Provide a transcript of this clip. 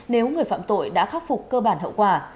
nếu người phạm tội đã khắc phục cơ bản hậu quả